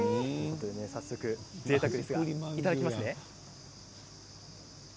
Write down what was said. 早速、ぜいたくですがいただきます。